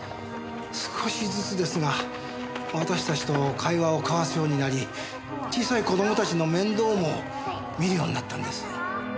少しずつですが私たちと会話を交わすようになり小さい子供たちの面倒も見るようになったんです。